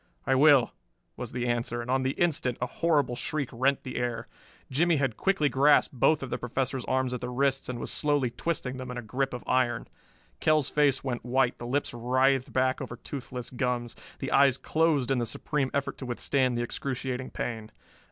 "I will," was the answer, and on the instant a horrible shriek rent the air. Jimmie had quickly grasped both of the Professor's arms at the wrists and was slowly twisting them in a grip of iron. Kell's face went white, the lips writhed back over toothless gums, the eyes closed in the supreme effort to withstand the excruciating pain.